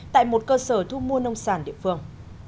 tại một cơ sở thu mua nông sản địa phương